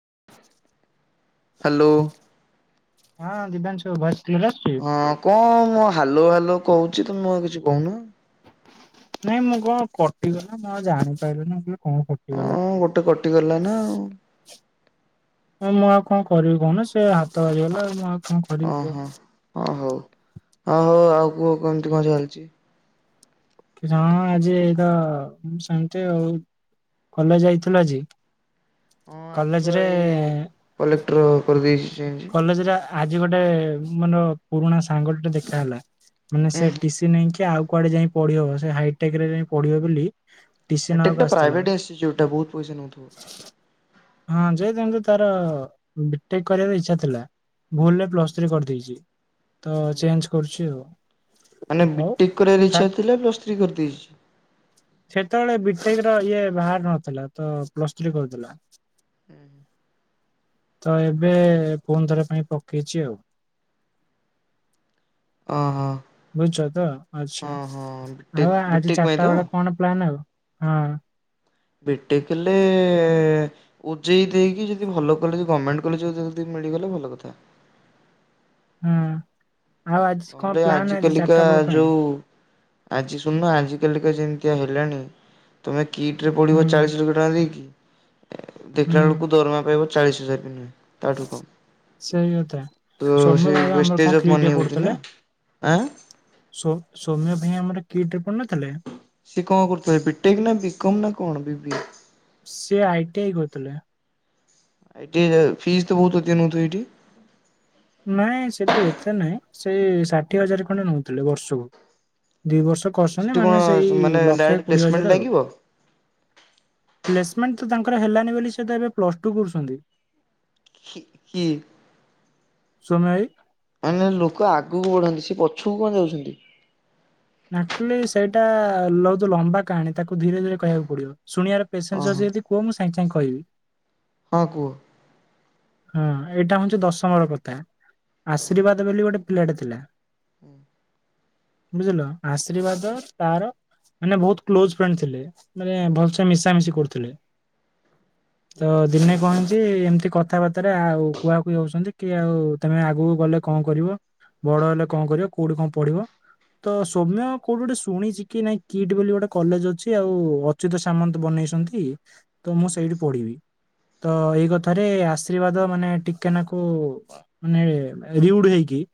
[inaudible] Hello. ହଁ ଦିବ୍ୟାଂଶୁ ଭସ ହଁ କଣ ମୁଁ ହାଲୋ ହାଲୋ କହୁଛି ତମେ ଆଉ କିଛି କହୁନ। ନାଇଁ ମୁଁ କଣ କଟିଗଲା ମୁଁ ଆଉ ଜାଣିପାରିଲନି। କଣ ଫଟିଗଲା। ହଁ ଗୋଟେ କଟିଗଲା ନା ମୁଁ ଆଉ କଣ କରିବି କହୁନା ସେ ହାତ ବାଜିଗଲା ଆଉ ମୁଁ କଣ କରିବି କୁହ। ଓହୋ ଓ ହୋ ହ ହଉ ଆଉ କୁହ କେମିତି କଣ ଚାଲିଛି। ହଁ ଆଜି ଏଇ ତ ସେମିତି ଆଉ। କଲେଜ ଯାଇଥିଲ ଆଜି? ହଁ ଆ ଯିବା କଲେଜରେ ଏଇ କଲେକ୍ଟର କରିଦେଇ କଲେଜରେ ଆଜି ଗୋଟେ ମାନେ ପୁରୁଣା ସାଙ୍ଗ ଟେ ଦେଖା ହେଲା। ମାନେ ସେ ଟିସିି ନେଇକି ଆଉ କୁଆଡେ ଯାଇ ପଢିବ ସେ ହାଇଟେକ ରେ ଯାଇ ପଢିବ ବିଲି ଟିଶି ହାଇଟେକ୍ ନବାକୁ ଟା ଆସିଥିଲା ପ୍ରାଇଭେଟ ଇନଷ୍ଟିଚ୍ୟୁଟ ଟା ବହୁତ ପଇସା ନଉଥିବ। ହଁ ଯେ ତାରେ ବିଟେକ କରିଆରେ ଇଚ୍ଛା ଥିଲା ଭୁଲରେ ପ୍ଲସ ଥ୍ରୀ କରିଦେଇଛି। ତ ଚେଞ୍ଜ କରୁଛି ଆଉ। ମାନେ ହଉ ବିଟେକ କରିବାର ଇଛା ଠାକ୍ ଥିଲା ପ୍ଲସ୍ ଥ୍ରି କରିଦେଇଛି। ସେତେବେଳେ ବିଟେକ ର ଇଏ ବାହାର ନଥିଲା ତ ପ୍ଲସ ଥ୍ରୀ କରୁଥିଲା। ହୁଁ। ତ ଏବେ ପୁଣିଥର ପାଇଁ ପକେଇଛି ଆଉ। ଓ ହୋ। ବୁଝଛ ତ ଆଚ୍ଛା ଆଉ ବିଟେକ୍ ଆଜି ବିଟେକ୍ ପାଇଁ ତ? ଚାରିଟା ବେଳେ କଣ ପ୍ଲାନ୍ ଆଉ? ହଁ। ବିଟେକ୍ କଲେ ଓଜେଇ ଦେଇକି ଯଦି ଭଲ କଲେଜ ଗଭର୍ମେଣ୍ଟ କଲେଜ୍ ମିଳିଗଲେ ଭଲ କଥା। ହୁଁ। ଆଉ ଆଜି କଣ ନହେଲେ ପ୍ଲାନ୍ ଆଜି କାଲିକା ଚାରିଟା ବେଳ ପାଇଁ? ଯୋଉ ଆଜି ଶୁଣ ଆଜି କାଲିକା ଯେମିତିଆ ହେଲାଣି ତୁମେ କିଟ୍ ରେ ହୁଁ ପଡ଼ିବ ଚାଳିଶ ଲକ୍ଷ ଟଙ୍କା ଦେଇକି ଏ ହୁଁ ଦେଖିଲା ବେଳକୁ ଦରମା ପାଇବ ଚାଳିଶ ହଜାର ବି ନୁହେଁ। ତାଠୁ କମ ସେଇ କଥା। ତ ସୌମ୍ୟ ସେ ଭାଇ ବା ୱେଇଷ୍ଟ ଆମର କଣ ଷ୍ଟେଜ ଅଫ କ୍ରିଟ୍ ରେ ମନି ହଉଛି ପଢୁଥିଲେ ନା। ଆ ସୋ ସୋମ୍ୟ ଭାଇ ଆମର କିଟ୍ ରେ ପଢ଼ୁନଥିଲେ? ସେ କଣ କରୁଥିଲେ ବିଟେକ୍ ନା ବିକୋମେ ନା କଣ ବି ବି ଏ। ସେ ଆଇଟି ଆଇ କରଥିଲେ। ଏଠି ଫିସ୍ ତ ବହୁତ ଅଧିକା ନଉଥିବେ ଏଇଠି। ନାଇଁ ସେଠି ଏତେ ନାଇଁ ସେ ଷାଠିଏ ହଜାର ଖଣ୍ଡେ ନଉଥିଲେ ବର୍ଷକୁ। ଦି ବର୍ଷ କରଚନ୍ତି ସେଠି କଣ ମାନେ ସେଇ ମାନେ ଲକ୍ଷେ ଡାଇରେକ୍ଟ କୋଡିଏ ପ୍ଲେସମେଣ୍ଟ ହଜାର ଆଉ। ଲାଗିବ ପ୍ଲେସମେଣ୍ଟ ତ ତାଙ୍କର ହେଲାନି ବୋଲି ସେ ତ ଏବେ ପ୍ଲସ୍ ଟୁ କରୁଚନ୍ତି। ଖି କି ସୁନ‌ଇ [unintelligible] [unintelligible] ଲୋକ ଆଗକୁ ବଢାନ୍ତି ସେ ପଛକୁ କଣ ଯାଉଚନ୍ତି। ଆକଚ୍ୟୁଲି ସେଇଟା ଲହୁତ ଲମ୍ବା କାହାଣୀ ତାକୁ ଧୀରେ ଧୀରେ କହିବାକୁ ପଡିବ। ଶୁଣିବାର ପେସେନ୍ସେ ଓହୋ ଅଛି ଯଦି କୁହ। ମୁଁ ସାଙ୍ଗେ ସାଙ୍ଗେ କହିବି। ହଁ କୁହ। ହଁ ଏଇଟା ହୋଉଚି ଦଶମର କଥା। ହଁ ଆଶୀର୍ବାଦ ବୋଲି ଗୋଟେ ପିଲାଟେ ଥିଲା। ହୁଁ। ବୁଝିଲ ଆଶୀର୍ବାଦ ତାର ମାନେ ବୋହୁତ କ୍ଲୋଜ ଫ୍ରେଣ୍ଡ ଥିଲେ। ମାନେ ହୁଁ ଭଲସେ ମିଶାମିଶି କରୁଥିଲେ। ତ ହୁଁ ଦିନେ କଣ ହେଇଛି ଏମତି କ- କଥାବାର୍ତ୍ତାରେ ଆଉ ଭୁଆଁ ବୁଲଉଛନ୍ତି। କି ଆଉ ତମେ ଆଗକୁ ଗଲେ କଣ କରିବ? ବଡ ହେଲେ କଣ କରିବ? କୋଉଠି କଣ ପଢିବ? ତ ସୌମ୍ୟ କୋଉଠି ଗୋଟେ ଶୁଣିଛି କି ନାଇଁ କିଟ ବୋଲି ଗୋଟେ କଲେଜ ଅଛି ଆଉ ଅଚ୍ୟୁତ ସାମନ୍ତ ବନେଇ- ବନେଇ ଛନ୍ତି। ମୁଁ ସେଇଠି ପଢିବି। ତ ଏଇ କଥାରେ ଆସ - ଆଶିର୍ବାଦ ମାନେ ଟିକେନାକୁ ମାନେ ରିଉଡ ହେଇକି-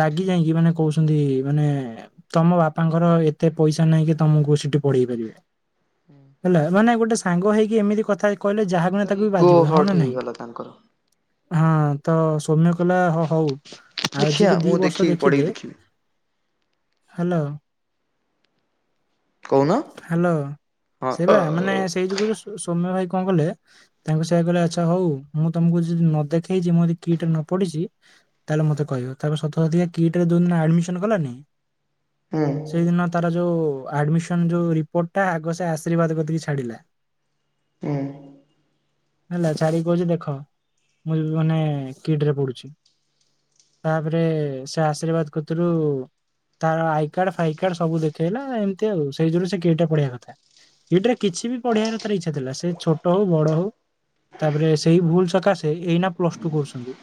ରାଗି ଯାଇକି ମାନେ କହୁଛନ୍ତି ମାନେ ତମ ବାପାଙ୍କର ଏତେ ପଇସା ନାହିଁ କି ତମକୁ ସେ- ପଢିବେ। ହେଲା ମାନେ ଗୋଟେ ସାଙ୍ଗ ହେଇକି ଏମିତି କଥା- କହିଲେ ଯାହା ଗୁଣେ ତ ତାକୁ ବି ଇଗୋ ବାଧିବ ହଁ ହଟ୍ ନା ନାଇଁ। ହେଇଗଲା ତାଙ୍କର ହଁ ତ ସୌମ୍ୟ କହିଲା ହଉ ଆଜି ଦେଖିବା ଦି ମୁଁ ବର୍ଷ ଦେଖିବି ପଢିକି ଦେଖିଦେ। ଦେଖିବି ହ୍ୟାଲୋ। କହୁନ। ହ୍ୟାଲୋ। ହଁ ସେବା ମାନେ ହୁଁ ସେଇ ଯୁଗରୁ ସୌମ୍ୟ ଭାଇ- କଣ କହିଲେ? ତାଙ୍କୁ ସେଆ କହିଲେ ଆଚ୍ଛା ହଉ। ମୁଁ ତମକୁ ଯଦି ନ ଦେଖେଇଛି ମୁଁ ଯଦି କିଟରେ ନ ପଢିଛି ତାହେଲେ ମୋତେ କହିବ ତା ସତ କିଟରେ- ଯୋଉ ଦିନ ଆଡ଼ମିଶନ କଲାନି ହୁଁ ସେଇ ଦିନ- ତାର ଯୋଉ ଆଡମିଶନ୍ ଯୋଉ ରିପୋଟ ଟା ଆଗ ଆଶୀର୍ବାଦି କତିକୀ ଛାଡ଼ିବେ। ହେଲା ଚାରି କହୁଛି ଦେଖ। ମୁଁ ମାନେ କିଟରେ ପଢ଼ୁଛି। ତାପରେ ସେ ଆଶୀର୍ବାଦ କତିରୁ - ତାର ଆଇ କାର୍ଡ ଫାଇ କାର୍ଡ ସବୁ ଦେଖେଇଲା ଏମିତି ଆଉ। ସେଇ ଯୋଗୁ ସେ କିଟ୍ ରେ ପଢିବା କଥା। କିଟରେ କିଛି ବି ପଢେଇବାର ତାର ଇଚ୍ଛା ଥିଲା। ସେ ଛୋଟ ହଉ ବଡ ହଉ ତାପରେ- ସେଇ ଭୁଲ ସକାଶେ ଏଇ ନା ପ୍ଲସ୍ ଟୁ କରୁଛନ୍ତି।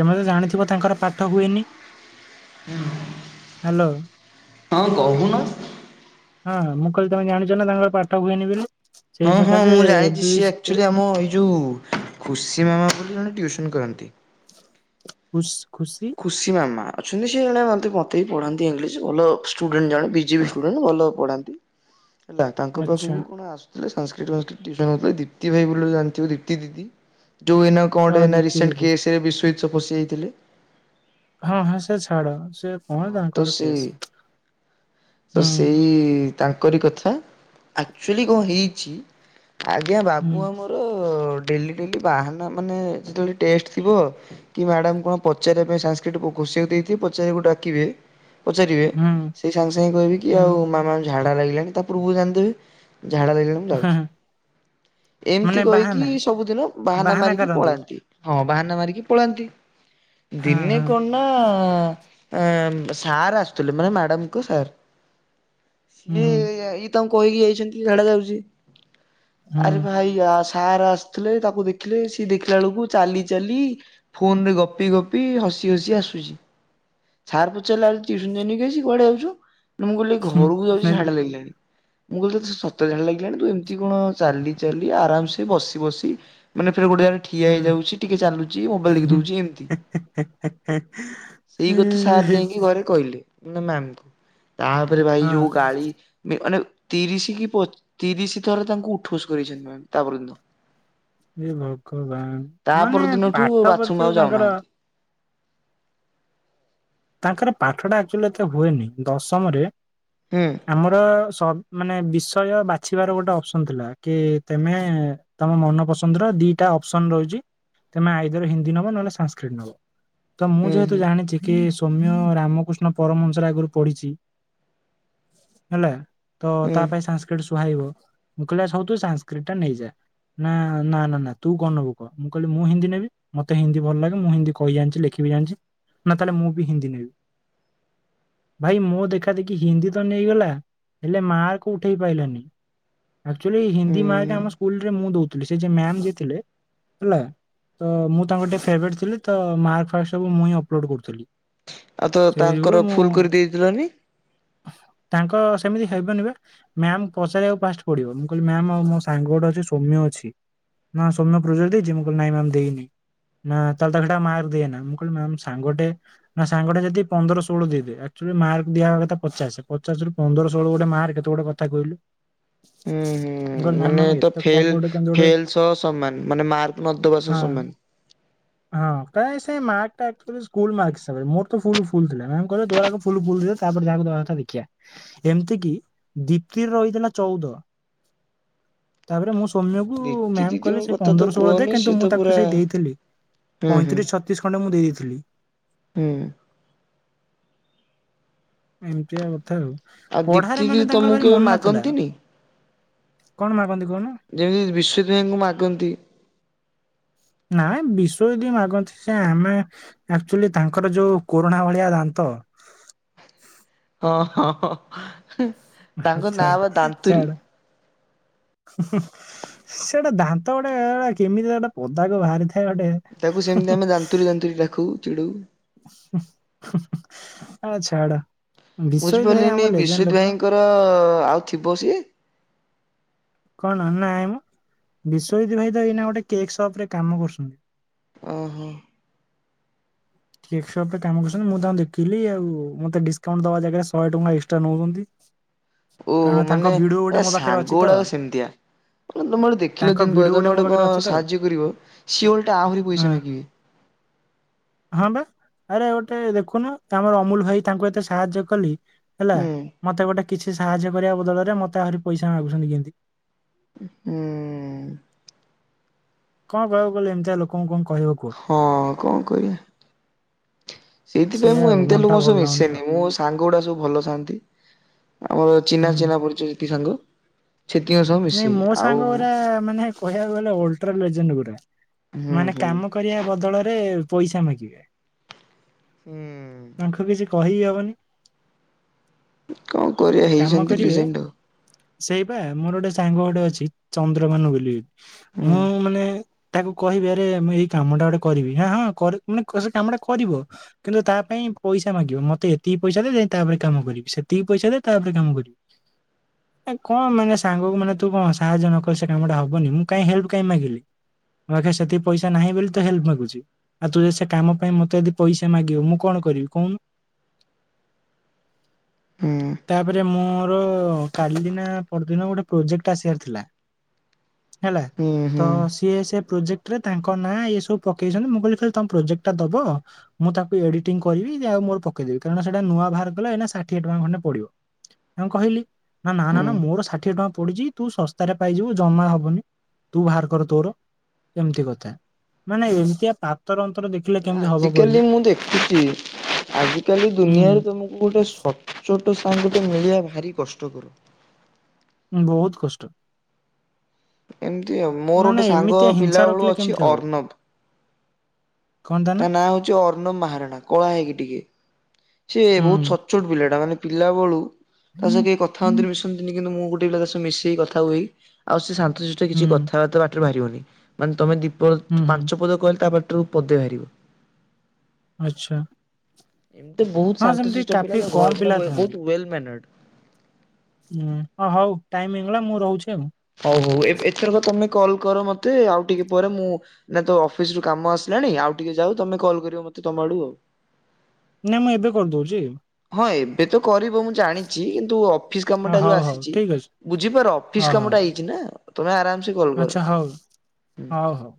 ତୁମେ ତ ଜାଣିଥିବ ତାଙ୍କର ପାଠ ହୁଏନି। ହ୍ୟାଲୋ ହଁ କହୁନୁ। ହଁ ମୁଁ କହିଲି ତମେ ଜାଣିଛ ନା ତାଙ୍କର ପାଠ ହୁଏନି ବୋଲି। ସେଇ ହଁ ହଁ ସକାଶେ ମୁଁ ଏବେ ଜାଣିଛି ବି ସିଏ ସେ ଆକ୍ଚୁଆଲି ଆମ ଏଇ ଯଉ ଖୁସି ମାମା ବୋଲି ଜଣେ ଟ୍ୟୁସନ କରନ୍ତି। ଖୁସି। ଖୁସି ମାମା ଅଛନ୍ତି ସେ ଜଣେ ମତେ ମୋତେ ବି ପଢାନ୍ତି ଇଂଲିଶ ଭଲ ଷ୍ଟୁଡେଣ୍ଟ ଜଣେ। ବିଜେପି ଷ୍ଟୁଡେଣ୍ଟ ଭଲ ପଢ଼ାନ୍ତି। ତା ତାଙ୍କ ଆଚ୍ଛା ପାଖକୁ କଣ ଆସୁ- ସାନସକ୍ରିଟ ମାଷ୍ଟର୍ ତିଉସନ ହଉଥିଲେ। ଦିପ୍ତି ଭାଇ ବୋଲି ଜଣିଥିବ ଦିପ୍ତି ଦିଦି। ଯୋଉ ଏନା ହଁ କଣଟେ ଦିଦି ରିସେଣ୍ଟ ଦିଦି କେଶରେ ବିଶ୍ୱଜିତ୍ ଫସିଯାଇଥିଲେ। ହଁ ହଁ ସେ ଛାଡ। ସେ କଣ ହଁ ତ ତାଙ୍କର କେସ୍- ସେ ତ ହୁଁ ସେଇ ତାଙ୍କରି କଥା ଆକ୍ଚୁଆଲି କଣ ହେଇଛି। ଆଜ୍ଞା ହୁଁ ବାବୁ ଆମର- ଡେଲି ଡେଲି ବାହାନା ମାନେ ଯେତେବେଳେ ଟେଷ୍ଟ ଥିବ କି ମ୍ୟାଡ଼ାମ କଣ ପଚାରିବା ପାଇଁ ସାଂସକ୍ରିଟ - ସିବି ଦେଇକୁ ପଚାରିବାକୁ ଡାକିବେ। ପଚାରିବେ ହୁଁ ସେଇ ସାଙ୍ଗେ ସାଙ୍ଗେ କହିବେ କି ହୁଁ ଆଉ ମାମାଙ୍କୁ ଝାଡ଼ା ଲାଗିଲାଣି ତା ପୂର୍ବରୁ ଜାଣିଦେବେ। ଝାଡ଼ା ଲାଗିଲାଣି ତ ହଁ ଆଉ ହଁ। - ଏମିତି ମାନେ କହିକି ବାହାନା ସବୁଦିନ ବାହାନା ମାରିକି ପଳାନ୍ତି। ହଁ ବାହାନା ମାରିକି ପଳାନ୍ତି ହଁ ଦିନେ ହଁ କଣନା। ସାର୍ ଆସୁଥିଲ ମାନେ ମ୍ୟାଡାମ କ ସାର୍। ହୁଁ ସିଏ ହୁଁ ଇଏ ତମ କହିକି ଯାଇଛନ୍ତି ଖାଡା ଯାଉଛି ଆରେ ହୁଁ ଭାଇ। ସାର୍ ଆସିଥିଲେ ତାକୁ ଦେଖିଲେ ସି ଦେଖିଲା ବେଳକୁ ଚାଲି ଚାଲି ଫୋନ ରେ ଗପି ଗପି। ହସି ହସି ଆସୁଛି ଛାର ପଚାରିଲ [unintelligible] ମୁଁ କହିଲି ଘରକୁ ଯାଉଛି ଝାଡା ଲାଗିଲାଣି। ମୁଁ କହିଲି ତ ସତ ଝାଡ଼ା ଲାଗିଲାଣି ତୁ ଏମିତି କଣ ଚାଲି ଚାଲି ଆରାମସେ ବସି ବସି ମାନେ ଗୋଟେ ଜାଗ ଠିଆ ହୁଁ ହେଇଯାଉଛି ଟିକେ ଚାଲୁଛି ମୋବାଇଲ ଦେଖି ଦଉଛି ଏମିତି ହୁଁ ସେଇ ଗେ ସାର୍ ହୁଁ। ଯାଇକି ଘରେ କହିଲେ ନା ମ୍ୟାମ କୁ ତାପରେ ଭାଇ ହଁ ଯେଉଁ ଗାଳି ମାନେ ତିରିଶ କି ତିରିଶ ଥର ତାଙ୍କୁ ଉଠୋସ କରିଛନ୍ତି ମ୍ୟା ତାପର୍ଯ୍ୟନ୍ତ ଏ ଭୋକ ମାନେ ପରଦିନଠୁ ପାଠ ବାଥରୁମ ପ୍ରତି ଆଉ ତାଙ୍କର ଯାଉନାହାନ୍ତି। ତାଙ୍କର ପାଠ ଟାଚୁ ଏ ହୁଏନି ଦଶମରେ ହୁଁ ଆମର ମାନେ ବିଷୟ ବାଛିବାର ଗୋଟେ ଅପସନ ଥିଲା କି ତମେ ତମ ମନ ପସନ୍ଦର ଦିଟା ଅପସନ ରହିଛି ତମେ ଆଇଦର ହିନ୍ଦୀ ନବ ନହେଲେ ସଂସ୍କତ ନବ ତ ମୁଁ ହୁଁ ଯେହେତୁ ହୁଁ ଜାଣିଛି କି ସୌମ୍ୟ ରାମକୃଷ୍ଣ ପରମ ଅଂସରେ ଆଗରୁ ପଢିଛି ହେଲା ତ ହୁଁ ତା ପାଇ ସଂସ୍କ୍ର୍ତିଟ ସୁହାଇବ ମୁ କହିଲି ଆଉ ସବୁ ତୁ ସାଂସ୍କ୍ରଟି ଟା ନେଇଯା। ନା ନା ନା ନା ତୁ କଣ ନବୁ କ। ମୁଁ କହିଲି ମୁଁ ହିନ୍ଦୀ ନେବି ମତେ ହିନ୍ଦୀ ଭଲ ଲାଗେ। ମୁଁ ହିନ୍ଦୀ କହି ଜାଣିଛି ଲେଖି [unintelligible] ନା ତାହେଲେ ମୁଁ ବି ହିନ୍ଦୀ ନେବି। ଭାଇ ମୋ ଦେଖା ଦେଖି ହିନ୍ଦୀ ତ ନେଇଗଲା ହେଲେ ମାର୍କ ଉଠେଇ ପାଇଲାନି ଆଚୁଆଲି ହିନ୍ଦୀ ମାର୍କ ହୁଁ। ଆମ ସ୍କୁରେ ମୁଁ ଦଉ ଥିଲି ସେ ଯେ ମ୍ୟାମ ଯେ ଥିଲେ। ହେଲା ତ ମୁଁ ତାଙ୍କର ଟିକେ ଫେବରେଟ ଥିଲି ତ ମାର୍କ ଫାର୍କ ସବୁ ମୁଁ ହିଁ ଅପଲୋଡ କରୁଥିଲି। ଆଉ ତ ସେଇ ଯୋଗୁରୁ ତାଙ୍କର ଫୁଲ ମୁଁ କରି ଦେଇଦେଲନି। ତାଙ୍କ ସେମିତି ହେଇବନି ବା ମ୍ୟାାମ ପଚାରିବାକୁ ଫାଷ୍ଟ ପଡିବ ମୁଁ କହିଲି ମ୍ୟାାମ ଆଉ ମୋ ସାଙ୍ଗ ଗୋଟେ ଅଛି ସୋମ୍ୟ ନା ସ ପ୍ରଜୋଗ ଦେଇଛି ମୁଁ କହିଲ ନାଇଁ ମ୍ୟାମ୍ ଦେଇନି। ନା ଚାଲତା ଖଟା ମାର୍ଗ ଦେଇିନା ମୁଁ କିଲ ସାଙ୍ଗଟେ ନା ସାଙ୍ଗା ଯଦି ପନ୍ଦର ଷୋହଳଚ ମାର୍କ ଦିବା କଥା ପଚାଶ ପଚାଶରୁ ପନ୍ଦର ଷୋଳ ଗୋଟେ ମାର୍କ ଗୋଟେ କଥା କହିଲୁ ହୁଁ ହୁଁ ମୁଁ କହିଲି ମାନେ। ନାଇଁ ମ୍ୟାମ୍ ଏତେ କମ୍ ମାନେ, ଗୋଟେ କେମିତି ଗୋଟେ ଫେଲ ସହ ସମାନ ମାନେ ମାର୍କ ନବା ହଁ। ସହ ସମାନ୍। ହଁ ତ ସେ ମକ ସ୍କୁଲ ମାର୍କସ୍। ତେବେ ମୋର ତ ଫୁଲ୍ ଫୁଲ୍ ଥିଲା ମାମ୍ କହିବେ ତୋର ଆଗ ଫୁଲ୍ ଫୁଲ୍ ଦିଅ ତାପରେ ଯାହାକୁ ଦବା କଥା ଦେଖିଆ। ଏମତିକି ଦିପ୍ତିର ରହିଥିଲା ଚଉଦ। ହଁ ତାପରେ ମୁଁ ସୌମ୍ୟକୁ ମ୍ୟାମ ଦିଦିଙ୍କ କହିଲେ ସେ କଥା ତ ପନ୍ଦରଶହ ବଳଳେ ଦେ କୁହନି ସିଏ କିନ୍ତୁ ତ ମୁଁ ତାକୁ ପୁରା ସେଇ ଦେଇଥିଲି। ହୁଁ ହୁଁ ପଇଁତିରିଶ ଛତିଶ ଖଣ୍ଡେ ମୁଁ ଦେଇ ଦେଇଥିଲି। ହଁ। ଏମିତିଆ କଥା ଆଉ। ଆଉ ଦୀପ୍ତି ପଢାରେ ଦିଦି ମାନେ ତାଙ୍କର ତମକୁ ଭାରି କେବେ ମନ ଥିଲା। ମାଗନ୍ତିନି? କଣ ମାଗନ୍ତି? କହୁନ ଯେମିତି ବିଶଵଦୟଙ୍କୁ ମାଗନ୍ତି। ନାଇ ବିଷଵ ଯଦି ମାଗନ୍ତି ସେ ଆମେ ଆକ୍ଚୁଆଲି ତାଙ୍କର ଯୋଉ କୋରୁଣା ଭଳିଆ ଦାନ୍ତ। ହଁ। ହ ହଁ, ହ, ହଁ, ହଁ ତାଙ୍କ ନାଁ ବା ଦାନ୍ତୁରୀ। ହୁଁ ହୁଁ ସେଟା ଦାନ୍ତ ଗୋଟେ କେମିତି ଗୋଟେ ପଦାକ ବାହାରିଥାଏ। ଗୋଟେ ତାକୁ ସେମିତି ଆମେ ଯାନ୍ତୁୀ ଯାନ୍ତୁୀ ଡାକୁ ଚିଡୁ। ଆ ଛାଡ଼। ବୁଝିପାରିଲିନି ବିଶ୍ଵଜିତ ଭାଇଙ୍କର ଆଉ ଥିବ ସିଏ? କଣ ନାଇଁ ମୋ ବିଶ୍ଵଜିତ ଭାଇ ତ ଏଇନା ଗୋଟେ କେକ୍ ସପ୍ ରେ କାମ କରୁଛନ୍ତି। ଓ ହୋ! ଠିକସପରେ କାମ କରୁଛନ୍ତି ମୁଁ ଯ ଦେଖିଲି ଆଉ ମତେ ଡିସକାଉଣ୍ଟ ଦବା ଜାଗାରେ ଶହେ ଟଙ୍କା ଏକ୍ସଟ୍ରା ନଉଛନ୍ତି। ଓହୋ କାରଣ ତାଙ୍କ ମାନେ ଭିଡିଓ ଗୋଟେ ଏ ମୋ ପାଖରେ ସାଙ୍ଗ ଅଛି ତ ଗୁଡାକ ସେମିତିଆ। ତୋମେ ଗୋଟେ ଦେଖିଲ ତାଙ୍କ ଦିନ ପରେ ଭିଡିଓ ତୋମେ ମୋ ଗୋଟେ ପାଖରେ କଣ ଅଛି ତ ସାହାଯ୍ୟ କରିବ ସିଏ ଓଲଟା ଆହୁରି ପଇସା ହଁ ମାଗିବେ। [inaudible] ହଁ ବା ଆରେ ଗୋଟେ ଦେଖୁନ ଆମର ଅମୁଲ ଭାଇ ତାଙ୍କୁ ଏତେ ସାହାଯ୍ୟ କଲି। ହେଲା ହୁଁ ମୋତେ ଗୋଟେ କିଛି ସାହାଯ୍ୟ କରିବା ବଦଳରେ। ମୋତେ ଆହୁରି ପଇସା ମାଗୁଛନ୍ତି କେମିତି? ଉଁ, ହୁଁ। କଣ କହିବାକୁ ଗଲେ ଏମତିଆ ଲୋକଙ୍କୁ କଣ କ ହଁ କଣ କରିବା? ସେଇଥିପାଇଁ ସେଇଆ ମୁଁ ଆଉ ଏମିତିଆ ମନଟା ଲୋକଙ୍କ ଭଲ ସହ ଲାଗୁନି ମିଶେନି। ଆଉ ମୁଁ ସାଙ୍ଗ ଯୋଉଡ଼ା ସବୁ ଭଲ ଥାଆନ୍ତି ଆମର ଚିହ୍ନା ହୁଁ ଚିହ୍ନା ପରିଚତି ସାଙ୍ଗ। ସେତିଙ୍କ ସହ ନାଇଁ ମିଶେଇ ମୋ ଆଉ ସାଙ୍ଗ ଗୁରା ମାନେ କହିବାକୁ ଗଲେ ଅଲଟ୍ରା ଲେଜେଣ୍ଡ ଗୁରା। ହୁଁ ମାନେ ହୁଁ। କାମ କରିବା ବଦଳରେ ପଇସା ମାଗିବେ। ହୁଁ। ତାଙ୍କୁୁ କିଛି କହିି ହି ହବନି। କଣ କରିଆ ହେଇଛନ୍ତି ଲିଜେଣ୍ଡ ଆଉ। ସେଇପା ମୋର ଗୋଟେ ସାଙ୍ଗ ଗୋଟେ ଅଛି ଚନ୍ଦ୍ରଭାନୁ ବୋଲି ହୁଁ ମୁଁ ମାନେ ତାକୁ କହିବି ଆରେ ଆମେ ଏଇ କାମ ଟା ଗୋଟେ କରିବି ହ ହଁ ମାନେ ସେ କାମ ଟା କରିବ କିନ୍ତୁ ତା ପାଇଁ ପଇସା ମାଗିବ ମତେ ଏତିକି ପଇସା ଦେ ତାପରେ କାମ କରିବି ସେତିକି ପଇସା ଦେ ତାପରେ କାମ କରିବି ଏ କଣ ମାନେ ସାଙ୍ଗକୁ ମାନେ ତୁ କଣ ସାହାଯ୍ୟ ନକ ସେ କାମଟା ହବନି ମୁ କାହିଁ ହେଲ୍ପ କାହିଁ ମାଗିଲି ମୋ ଆଖ ସେତିକି ପଇସା ନାହିଁ ବୋଲି ତ ହେଲ୍ପ ମାଗୁଛି ଆଉ ତୁ ଯ ସେ କାମ ପାଇଁ ମତେ ଯଦି ପଇସା ମାଗିବୁ ମୁଁ କଣ କରିବି କଣ ହୁଁ ତାପରେ ମୋର କାଲି ନା ପରଦିନ ଗୋଟେ ପ୍ରୋଜେକ୍ଟ ଟାହିଆର ଥିଲା ହେଲା ହୁଁ ତ ହୁଁ ସିଏ ସେ ପ୍ରୋଜେକ୍ଟ ରେ ତାଙ୍କ ନାଁ ଏ ସବୁ ପକେଇଛନ୍ତି ମୁଁ କହିଲି କହ ତମ ପ୍ରୋଜେକ୍ଟା ଦବ ମୁଁ ତାକୁ ଏଡିଟିଂ କରିବି ଆଉ ମୋର ପକେଇଦବି କାରଣ ସେଟା ନୂଆ ବାହାର କଲେ ଏଇନା ଷାଠିଏ ଟଙ୍କା ଖଣ୍ଡେ ପଡିବ। ତାଙ୍କ କହିଲି ନା ନା ନା ହୁଁ। ନା ମୋର ଷାଠିଏ ଟଙ୍କା ପଡିଚଛି। ତୁ ଶସ୍ତାରେ ପାଇଯିବୁ ଜମା ହବନି ତୁ ବାହାର କର ତୋର। ଏମତି କଥା ମାନେ ଏମିତିଆ ପାତର ଅନ୍ତର ଦେଖ। ଆଜିକାଲି ମୁଁ ଦେଖୁଛି ଆଜିକାଲି ଦୁନିଆରେ ହୁଁ ତମକୁ ଗୋଟେ ସଚ୍ଚୋଟ୍। ସତ ସାଙ୍ଗ ଟେ ମିଳିବା ଭାରି କଷ୍ଟ କର। ବହୁତ୍ କଷ୍ଟ। ଏମିତି ଆଉ ମୋର ନ ଗୋଟେ ନା ସାଙ୍ଗ ଏମିତିଆ ପିଲା ହିଂସା ବେଳୁ ରଖିଲେ ଅଛି କେମ୍ତି ହବ। ଅର୍ଣ୍ଣବ। କଣ ନା ତା ନାଁ ହଉଛି ଅର୍ଣ୍ଣଵ ମହାରଣା କଳା ହେଇକି ଟିକେ ସ ସେ ହୁଁ ବହୁତ ସଚ୍ଚୋଟ ପିଲା ଟା ମାନେ ପିଲା ବେଳୁ ତା ସହ ହୁଁ କେହି କଥା ହନ୍ତିନି ମିଶନ୍ତିନି କିନ୍ତୁ ମୁଁ ଗୋଟେ ତା ସ ମିଶେଇ କଥା ହୁଏ ଆଉ ସେ ଶନ୍ତଶିଷ୍ଟ ହୁଁ କିଛି କଥାବାର୍ତ୍ ବା ବାହାରିବନି ମାନେ ତମେ ଦିପଦ ହୁଁ ପାଞ୍ଚ ପଦ କହିଲେ ତା ପାଟିରୁ ପଦେ ବାହାରିବ। ଆଚ୍ଛା ଏତେ ହଁ ସେମିତି ଶାନ୍ତଶିଷ୍ଟ ପିଲା କାଫି କମ ଘର ମାନେ ପିଲା ବହୁତ ଥାଆନ୍ତି ୱେଲ୍ ମ୍ୟାନର୍ଡ। ହଁ ହଉ ଟାଇମ୍ ହେଇଗଲା ମୁଁ ରହୁଛି ଆଉ। ଓହୋ ଏଥରକ ତମେ କଲ୍ କର ମତେ ଆଉଟିକ ପରେ ମୁଁ ନା ତ ଅଫିସରୁ କାମ ଆସିଲାଣି। ଟିକେ ଯାଉ ତମେ କଲ୍ କରିବ ମତେ ତମ ଆଡୁ ଆଉ। ନାଇଁ ମୁଁ ଏବେ କରିଦଉଛି। ହଁ ଏବେ ତ। କରିବ ମୁଁ ଜାଣିଛି କିନ୍ତୁ ଅଫିସ୍ କାମ ହଁ ଟା ଯୋଉ ହଉ ହଉ ଆସିଛି ଠିକ ଅଛି ବୁଝିପାର ଅଫିସ କାମଟା ଇଜୀ ନା ତୁମେ ଆରାମ୍ ଆଛା ହଉ ହଉ।